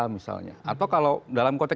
misalnya atau kalau dalam konteks